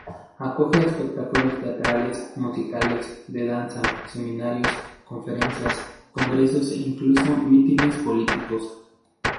Acoge espectáculos teatrales, musicales, de danza, seminarios, conferencias, congresos e incluso mítines políticos.